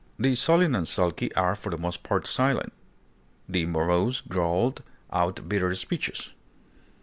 The sullen and sulky are for the most part silent; the morose growl out bitter speeches.